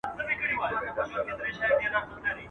د بل پر کور سل مېلمانه څه دي.